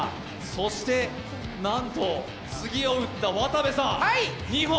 そしてなんと、次を打った渡部さん２本。